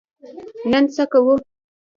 نن څه کوو؟